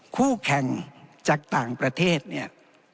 คู่แข่งจากต่างประเทศเนี่ย